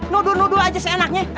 nudul nudul aja seenaknya